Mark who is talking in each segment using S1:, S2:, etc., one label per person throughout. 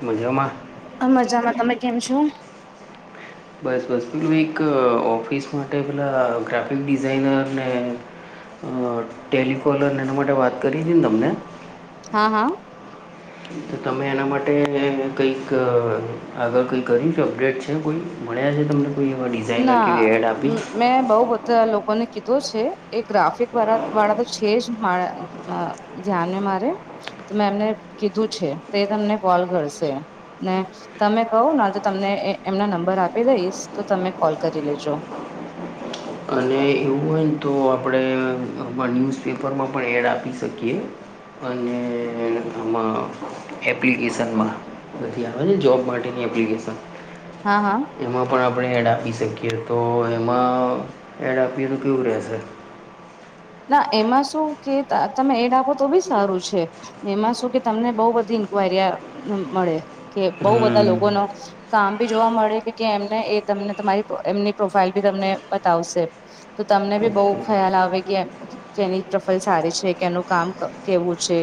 S1: મજમાં.
S2: આ મજામાં તમે કેમ છો.
S1: બસ બસ પેલું એક ઓફિસ માટે પેલા ગ્રાફિક ડિઝઇનર ને ટેલિકોલર એના માટે વાત કરી હતી ને તમને.
S2: હા હા.
S1: તો તમે એના માટે કઈક આગળ કઈ કરીશ અપડેટ છે. જે કોઈ મળ્યા છે તમને. કોઈવાડી
S2: ના મેં બહુ બધ લોકોને કીધો છે એ ગ્રાફિક વા વાળા તો છે જ મા ધ્યાને મારે તો મેં એમને કીધું છે તો એ તમને કોલ કરશે. ને તમે કહું તો તમને એમના નંબર આપી દઈશ તો તમે કોલ કરી લેજો.
S1: અને એવું હોય ને તો આપણે ન્યૂઝપેપરમાં પણ એડ આપી શકીએ. અને આમાં એપ્લિકેશનમાં. બધી આવેને જોબ માટેની એપ્લિકેશન.
S2: હા હા.
S1: એમાં પણ આપણે એડ આપી શકીએ તો એમાં એડ આપીએ તો કેવું રહેશે.
S2: ના એમાં શું કે તમે એડ આપો તો બી સારું છે. એમાં શું કે તમને બહુ બધી ઇન્ક્વાયરીિયા મળે કે બહુ બધા
S1: હમ
S2: લોકોનો. કામ બી જોવા મળે કે એમને એ તમને તમારી એમની પ્રોફાાઈલ બી તમને બતાવશે. તો તમને બી બહુ ખ્યાલ આવે કે એમ તેની પ્રફલ સારી છે કેનું કામ કેવું છે.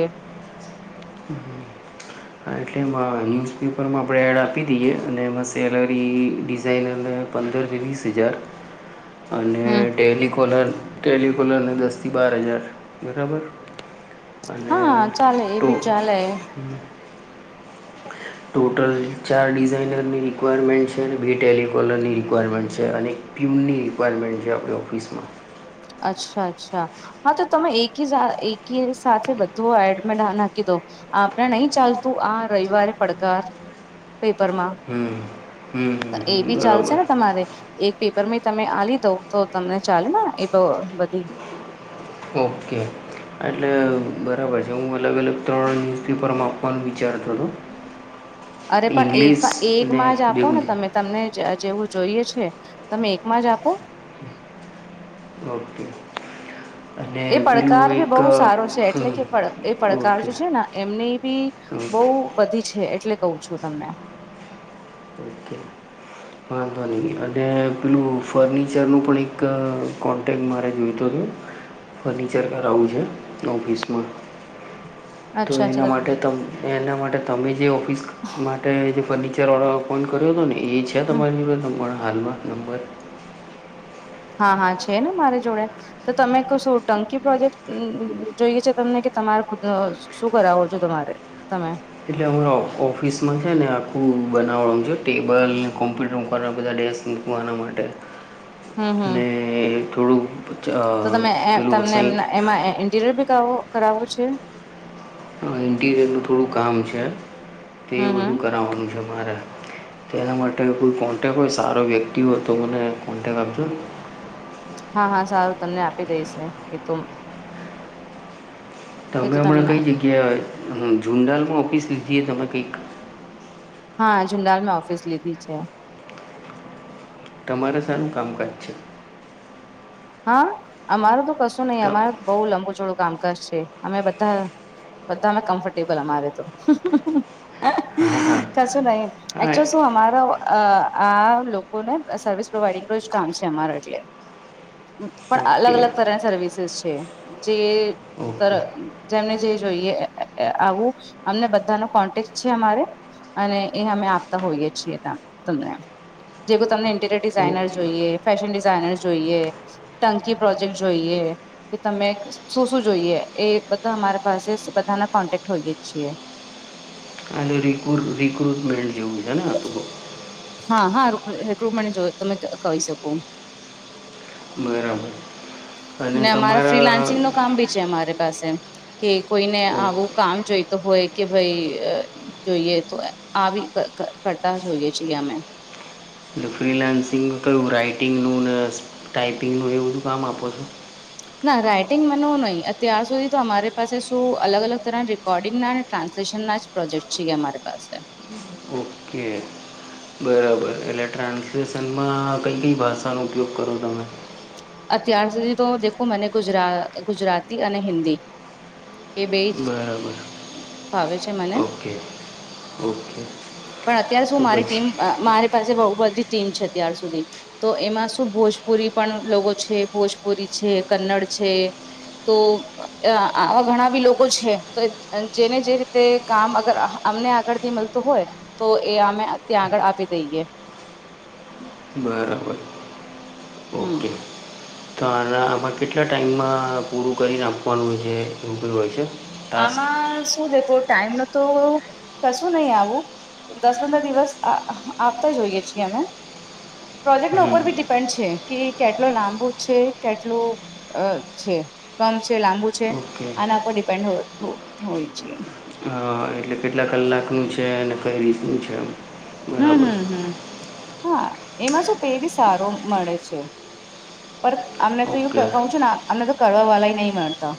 S1: હા એટલે ન્યૂઝપેપરમાં આપણે એડ આપી દઈએ અને એમાં સેલરી ડિઝાઇનરને પંદરથી વીસ હજાર અને
S2: હમ
S1: ડેલી કોલર. ટેલિકોલરને દસથી બાર હજાર બરાબર. અને
S2: હા ચાલે એ
S1: ટો.
S2: સપનું.
S1: ટોટલ ચાર ડિઝાઇનરની રિક્વાયરમેન્ટ છે અને બે ટેલિકલરની રિક્વાયરમેન્ટ છે અને પ્યુનની રિક્વાયરમેન્ટ છે આપણી ઓફિસમાં.
S2: અચ્છા અચ્છા. હા તો તમે એક એકી સાથે બધું એડમે નાખી દો. આપણે નહી ચાલતું આ રવિવારે પડકાર પેપર માં.
S1: હમ હમ
S2: તો
S1: હમ
S2: એ
S1: હમ
S2: બી ચાલશે
S1: બરાબર
S2: ને તમારે? એક પેપરમાં તમે આલી દઉં તો તમને ચાલે ને એ બધી.
S1: ઓકે. એટલે બરાબર છે હું અલગ અલગ ત્રણ ન્યુઝપેપરમાં આપવાનું વિચારતો હતો. [inaudible]
S2: અરે પણ એક
S1: ઇંગ્લિશ
S2: એક
S1: અને
S2: માં જ
S1: બે
S2: આપો ને
S1: ગુજરાતી
S2: તમે. તમને જેવું જોઈએ છે તમે એકમાં જ આપો.
S1: ઓકે. અને
S2: એ પડકાર
S1: પેલું
S2: બી
S1: એક
S2: બહુ સારો છે એટલે
S1: હમ
S2: કે એ પડકાર
S1: ઓકે
S2: જો છે ને એમની બી
S1: ઓકે
S2: બહું બધી છે એટલે કવું છું તમને.
S1: [inaudible] વાંધો નહી અને પેલું ફર્નિચર નું પણ એક કો હટેલ મારે જોઈતું હતું ફર્નિચર કરાવવું છે ઓફિસમાં. તો
S2: અચ્છા
S1: એના
S2: અચ્છા
S1: માટે ત એના માટે તમે જે ઓફિસ માટે જે ફર્નિચર વાડો કર્યો હતો ને એ છે તમારી નંબર હાલમાં નંબર?
S2: હા હા છે ને મારી જોડે. તો તમે ક શું ટંકી પ્રોજેક્ટ જોઈએ છે તમને કે તમારે ખુદ જ શું કરાવો છો તમારે તમે.
S1: એટલે અમારા ઓફિસમાં છે ને આખું બનાવવા છે ટેબલને કોમ્પ્યુટર કરવા બધા ડેસ્ક મૂકવાના માટે
S2: હમ હમ
S1: થોડુંક
S2: તો તમે તમને એમ એમાં ઇન્ટિરિયર ભી કર કરાવો છે.
S1: ઇન્ટીરિયરનું થોડું કામ છે તે
S2: હમ હમ
S1: બધું કરાવવાનું છે. મારે તો એના માટે કોઈ કોન્ટેક હોય સારો વ્યક્તિ હોય તો મને કોન્ટેક આપજો ને.
S2: હા હા સારું તમને આપી દેશે એ તો. એ
S1: તમે
S2: તો
S1: હમણાં
S2: તમને
S1: કઈ જગ્યાએ જુંડાલમાં ઓફિસ લીધીએ તમે કંઈક?
S2: હા જુનાલ મેં ઓફિસ લીધી છે.
S1: તમારા સાનું કામકાજ છે.
S2: હા અમારું તો કશું નહી
S1: તો
S2: અમાર બહુ લંબુ ચોડું કામકાજ છે અમે બધા બધામાં કમ્ફર્ટેબલ અમારે તો.
S1: હા હા
S2: કશું નહી
S1: હા
S2: એકચુ શું અમારો આ કો ને સર્વસ પ્રોવાઈડિંગ જ કામ છે અમારા એટલે. પણ
S1: ઓકે
S2: અલગ અલગ તરની સર્વિસેસ છે, જે
S1: ઓકે
S2: જેમને જે જોઈએ આવું અમને બધાનો કોન્ટેક્ટ છે અમારે. અને એ અમે આપતા હોઈએ છીએ ત્યા તમને. જેવું તમને ઇન્ટીરિયર
S1: ઓકે
S2: ડિઝાઇનર જોઈએ ફેશન ડિઝાઇનર જોઈએ ટંકી પ્રોજેક્ટ જોઈએ. કે તમે શું શું જોઈએ એ બધા અમારી પાસે બધાના કોન્ટેક્ટ હોઈએ છીએ.
S1: હા રિકુર રિક્રુટમેન્ટ જેવું છે ને આખું કોક.
S2: હા હા રિક્રુટમેન્ટ ને જો તમે કહી શકો.
S1: બરાબર અને
S2: ને અમારા
S1: તમારા
S2: ફ્રીલાન્સિંગ નું કામ ભી છે, અમારી પાસે. કે કોઈને
S1: ઓકે
S2: આવું કામ જોઈતો હોય કે ભઈ અ જોઈએ તો આવી ક કરતા જોઈએ છીએ અમે.
S1: એટલે ફ્રીલાન્સિંગ કયું રાઈટિંગનું ને ટાઈપિંગનું એ બધું કામ આપો છો?
S2: ના રાઈટિંગ મનનું નહિ અત્યાર સુધી તો અમારી પાસે શું અલગ અલગ તરના રેકોર્ડિંગ ના ટ્રાન્સલેશન ના જ પ્રોજેક્ટ છીએ અમારી પાસે.
S1: કે બરાબર, એટલે ટ્રાન્સલેશનમાં કઈ કઈ ભાષાનો ઉપયોગ કરો તમે?
S2: અત્યાર સુધી તો દેખું મને ગુજરા, ગુજરાતી અને હિન્દી. એ બે જ
S1: બરાબર.
S2: ફાવે છે મને,
S1: ઓકે ઓકે
S2: પણ અત્યારે શું
S1: તો
S2: મારી ટીમ
S1: પછી
S2: અ મારી પાસે બહું બધી ટીમ છે અત્યાર સુધી, તો એમાં શું ભોજપુરી પણ લોગો છે, ભોજપુરી છે, કન્નડ છે, તો અ આ આવા ઘણા બી લોકો છે, તો જ જેને જે રીતે કામ અગર અ અમને આગળ મળતું હોય, તો એ અમે ત્યાં આગળ આપી દઈએ.
S1: બરાબર,
S2: હમ
S1: ઓકે. તો આના આમાં કેટલા ટાઈમમાં પૂરું કરીને આપવાનું હોય છે? એવું કઇ હોય છે. ટાસ્ક
S2: આમાં શું દેખો ટાઈમ નુ તો કશું નહી આવું. દસ પંદર દિવસ આ આ આપતા જ હોઈએ છીએ અમે, પ્રોજેક્ટ
S1: હમ
S2: ઉપર બી ડી પણ છે, કે કેટલો લાંબુ છે, કેટલું અ છે, કમ છે, લાંબુ છે,
S1: ઓકે
S2: આના પર ડિપેન્ડ હો હો હોય છે.
S1: અ, એટલે કેટલા કલાકનું છે? અને કઈ રીતનું છે? એમ.
S2: હમ્મ
S1: બરાબર
S2: હમ્મ હમ્મ, હા, એમાં શું પે બી સારો મળે છે. પર અમને તો એવું કે
S1: ઓકે
S2: કહુ છુ ને, આ અમને તો કરવા વાળા એ નહી મળતા.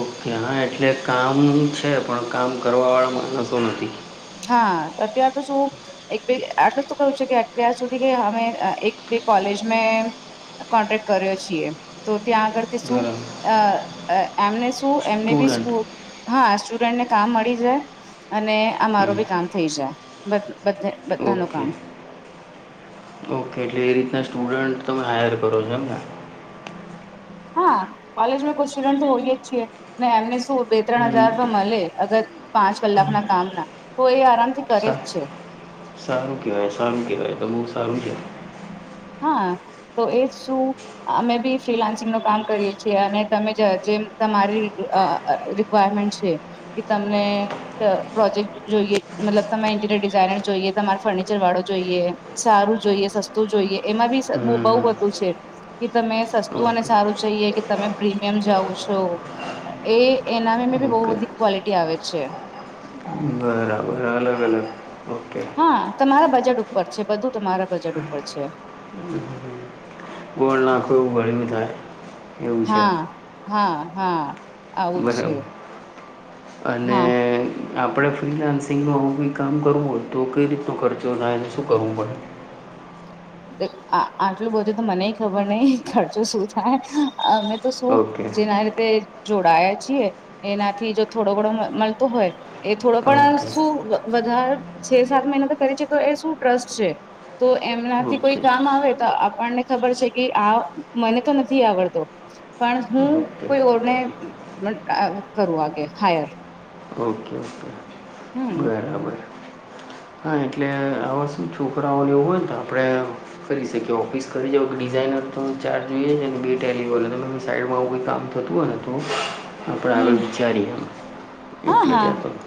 S1: ઓકે, હા એટલે કામ છે, પણ કામ કરવાવાળા માણસો નથી.
S2: હા અત્યાર તો શું. એક બે, આટલુંતો કઉ છું કે અત્યાર સુધી કે અમે અ એક બે કોલેજ મેં કોન્ટેક્ટ કર્યો છીએ, તો ત્યાં આગળથી શું
S1: બરાબર
S2: અ અ આમને શું, એમને બી
S1: સ્ટુડન્ટ
S2: સ્કૂ, હા સ્ટુડન્ટને કામ મળી જાય. અને આમારું
S1: હમ,
S2: બી કામ થઈ જાય, બધ બધે બધાનું
S1: ઓકે
S2: કામ.
S1: ઓકે, એટલે એ રીતના સ્ટુડન્ટ તમે હાયર કરો છો એમને?
S2: હા, કોલેજમાં કોઈ સ્ટુડન્ટ તો હોય જ છીએ. ને એમને શું બે ત્રણ
S1: હમ,
S2: હજાર તો મળે, અગર પાંચ કલાકના કામ ના. તો એ આરામથી કરેજ
S1: સા
S2: છે.
S1: સારું કેહેવાય, સારું કેવાય, તો બહુ સારું છે.
S2: હા, તો એજ શું. અમે બી ફ્રીલાન્સિંગ નું કામ કરીએ છીએ, અને તમે જેમ તમારી અ અ અ રી કવાયરમેન્ટ છે, કે તમને પ્ર પ્રોજેક્ટ જોઈએ, મતલબ તમામે ઇન્ટિરિયર ડિઝાઇનર જોઈએ? તમારો ફર્નિચર વાળો જોઈએ! સારું જોઈએ, સસ્તું જોઈએ, એમાં બી સ બહુ
S1: હમ, હમ,
S2: બધું છે. કે તમે સસ્તું અને
S1: ઓકે
S2: સારું ચઈએ, કે તમે પ્રીમિયમ જાઓ છો. એ એનામે બી બહુ
S1: ઓકે
S2: બધી ક્વોલિટી આવે છે.
S1: બરાબર, અલગ અલગ ઓકે.
S2: હા તમારા બજેટ ઉપર છે, બધું તમારા બજેટ ઉપર છે.
S1: [unintelligible] લાકડું બળી ને થાય. એવું છે
S2: હા હા હા આવું જ છે
S1: બરાબર અને
S2: હા
S1: આપણે ફ્રીલાન્સિંગનું આવું કઈ કામ કરવું હોય, તો કઈ રીતનો ખર્ચો થાય? તો શું કરવું પડે?
S2: આ આટલું બધુંતો મનેઈ ખબર નહિ, ખર્ચો શું થાય. અમે તો શું
S1: ઓકે
S2: જેના રીતે જોડાયા છીએ એનાથી જો થોડો ઘણો મ, મળતો હોય એ થોડો પણ
S1: ઓકે
S2: શું વધારે છે સાત મહિના તો કરી ચૂક્યો તો એ શું ટ્રસ્ટ છે, તો એમનાથી કોઈ
S1: ઓકે
S2: કામ આવે તો, આપણને ખબર છે કે આ મને તો નથી આવડતો. પણ હું
S1: ઓકે
S2: કોઈ ઓરને [unintelligible] કરું આગે, હાયર
S1: [unintelligible]
S2: હમ
S1: બરાબર [unintelligible] હા એટલે, આ વસ્તુ છોકરાઓને એવું હોય ને, તો આપણે કરી સકીએ. ઓફિસ કરી જોકે ડિઝાઇનર તો ચાર્ જોઈએ છે, બે ટેલી વો [unintelligible] સાઈડમાં આવું કોઈ કામ થતું હોય ને તો, આપણે
S2: હમ
S1: આગળ વિચારીએ.
S2: હા
S1: એટલે
S2: હા
S1: કેતોતો.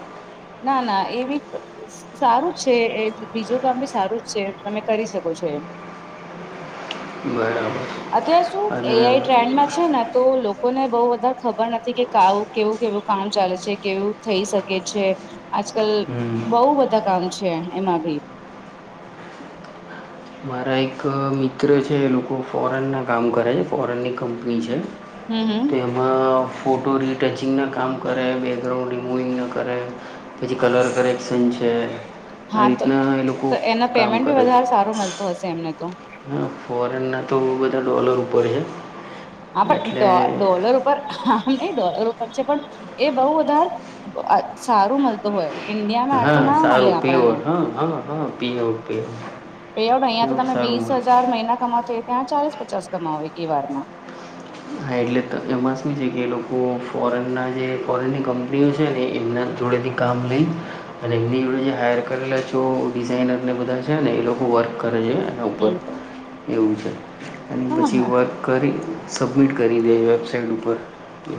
S2: ના, ના, એવી તો સારું છે, એ બીજું કામ બી સારું જ છે, તમે કરી સકો છો એમ.
S1: [inaudible]
S2: અગે સુ
S1: બરાબર અને
S2: એઆઈ ટ્રેન્ડમાં છે ને તો લોકો લોકોને બહુ વધાર ખબર નથી કે, કાઉ કેવું કેવું કામ ચાલે છે, કેવું થઈ સકે છે? આજકલ,
S1: હમ
S2: બહુ બધા કામ છે એમાં ભી
S1: મારા એક મિત્ર છે, એ લોકો ફોરનના કામ કરે છે, ફોરનની કંપની છે,
S2: હમ હમ
S1: તો એમાં ફોટો રીટચિંગના કામ કરે, બેૅકગ્રાઉન્ડ રિમૂવિંગના કરે, પછી કલર કરેક્સન છે, આ
S2: હા ત,
S1: રીતના એ લોકો
S2: તો એનો
S1: કામ
S2: પેમેન્ટ ભી
S1: કરે છે
S2: વધાર સારો મલતો હસે એમને તો
S1: હા, ફોરેનના તો બધા ડોલર ઉપર છે.
S2: હા પણ,
S1: એટલે
S2: ડોલ ડોલર ઉપર પર, હા આમ નહી ડોલરો ઉપર છે પણ, એ બહુ વધાર આ સારું મલતું હોય, ઈન્ડિયામાં
S1: હા
S2: આટલું ના મળે
S1: સારું પે
S2: આપણાને
S1: હોય, હાં, હાં, હાં P out pay
S2: pay out અહીંયા તો તમે
S1: સારું
S2: વીસ
S1: મળે
S2: હજાર મહિના કમાવ છ ત્યાં ચાલીસ પચાસ કમાઓ એટલી વારમાં
S1: હા, એટલે ત એમાં સુ છે કે એ લોકો ફોરનના જે, ફોરેનની કંપનીઓ છે ને એમના જોડેથી કામ લઈ અને એમની જોડે જે હાયર કરેલા જો ડિઝાઇનરને બધા છે ને એ લોકો વર્ક કરે છે એના ઉપર.
S2: હમ
S1: એવું છે, અને
S2: હા
S1: પછી
S2: હા
S1: વર્ક કરી સબમિટ કરી દે વેબસાઇટ ઉપર, તો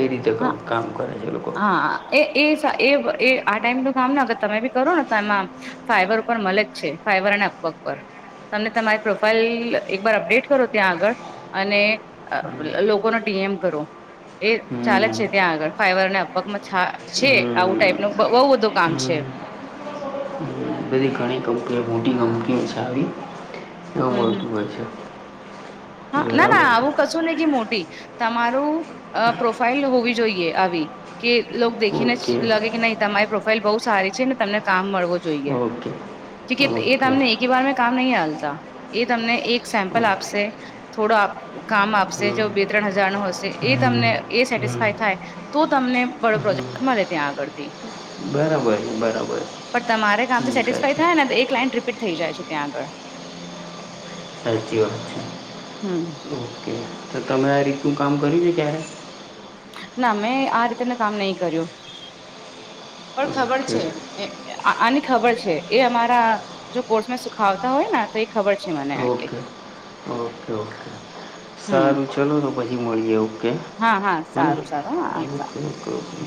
S1: એ રીતે કામ કરે છે લોકો.
S2: હા હા એ, એ સા, એ વ એ, આ ટાઈમનું કામ ન અગર, તમે બી કરો ને તો એમાંમ ફાઈવર ઉપર મલે જ છે. ફાઈવર અને અપવર્ક પર. તમને તમારી પ્રોફાઈલ એકબાર અપડેટ કરો ત્યાં આગળ, અને લોકોનો ટીએમ કરો, એ ચાલે
S1: હમ
S2: જ છે ત્યાં આગળ. ફાઈવર અને અપવર્કમાં છા છે, આવું
S1: હમ હમ.
S2: ટાઈપનું બહ બહુ બધું કામ છે.
S1: [unintelligible] બધી ઘણી કંપનીઓ, મોટી કંપનીઓ છે, આવી. એવું
S2: હમ હમ
S1: મળતું હોય છે.
S2: હા ના, ના
S1: બરાબર
S2: આવું કશું નહી કે મોટી. તમારું અ પ્રોફાઈલ હોવી જોઈએ આવી કે લોક દેખીને
S1: ઓકે
S2: જ લાગે કે નહી, તમારી પ્રોફાઈલ બહુ સારી છે ને તમને કામ મળવું જો જોઈએ.
S1: ઓકે
S2: ચિકિયાત એ
S1: ઓકે
S2: તમની એ વાર મેં કામ નહીં આલતા, એ તમને એક સેમ્પલ
S1: હમ
S2: આપસે, થોડો કામ આપસે,
S1: હમ
S2: જો બે ત્રણ હજાર નો હશે, એ
S1: હમ
S2: તમને, એ સેટિસ્ફાય થાય તો તમને બડો
S1: હમ.
S2: પ્રોજેક્ટ મળે ત્યાં આગળથી.
S1: બરાબર છે બરાબર
S2: પણ તમારે
S1: હમ
S2: કામથી સેટિસફાઈ
S1: સાચી
S2: થાય ને તો એ ક્લાઈન્ટ રિપીટ થઈ જાય છે ત્યાં આગળ.
S1: સાચી વાત છે
S2: હમ
S1: ઓકે તો તમે આ રીતનું કામ કર્યું છે ક્યારે
S2: ના મેં આ રીતેનું કામ નહી કર્યું પણ ખબર
S1: ઓકે
S2: છે આની ખબર છે એ અમારા જો કોર્સમાં સુખાવતા હોય ને તો ખબર છે મને. આટલી
S1: ઓકે, ઓકે, ઓકે,
S2: હમ
S1: સારું, ચલો તો પછી મળી જવું. હમ?
S2: હા હા
S1: બને.
S2: સારું સારું હા
S1: ઓકે, ઓકે.